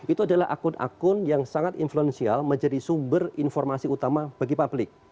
itu adalah akun akun yang sangat influential menjadi sumber informasi utama bagi publik